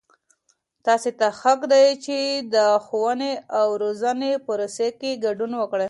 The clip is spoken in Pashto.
تاسې ته حق دی چې د ښووني او روزنې پروسې کې ګډون وکړئ.